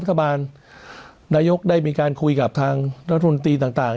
ปรัฐบาลนายกได้มีการคุยกับทางรัฐหนุนตรีต่าง